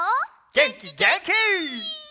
げんきげんき！